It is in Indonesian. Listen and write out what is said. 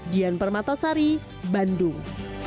dian permatosari bandung